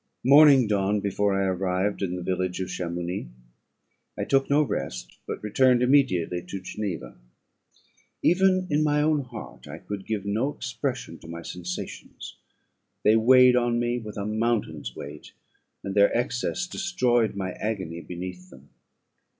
Morning dawned before I arrived at the village of Chamounix; I took no rest, but returned immediately to Geneva. Even in my own heart I could give no expression to my sensations they weighed on me with a mountain's weight, and their excess destroyed my agony beneath them.